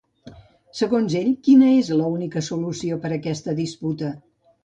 Segons ell, quina és l'única solució per a aquesta disputa?